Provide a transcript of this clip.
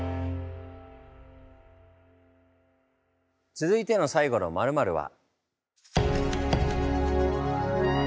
続いての「最後の○○」は。